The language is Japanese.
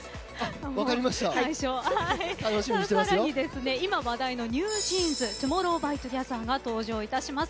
さらに今話題のＮｅｗＪｅａｎｓＴＯＭＯＲＲＯＷＸＴＯＧＥＴＨＥＲが登場いたします。